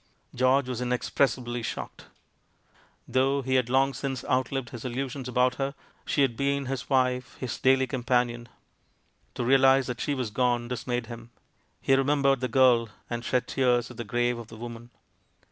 George was inexpressibly shocked. Though he had long since outlived his illusions about her, she had been his wife, his daily companion. To realise that she was gone dismayed him. He re membered the girl, and shed tears at the grave of the woman.